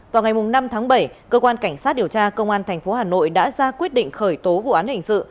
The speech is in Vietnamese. vào ngày năm tháng bảy cơ quan cảnh sát điều tra công an tp hà nội đã ra quyết định khởi tố vụ án hình sự